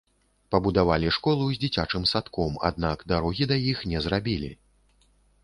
Пабудавалі школу з дзіцячым садком, аднак дарогі да іх не зрабілі.